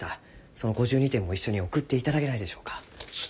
その５２点も一緒に送っていただけないでしょうか？